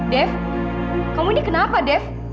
dep kamu ini kenapa dep